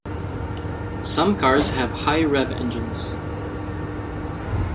Some cars have high rev engines.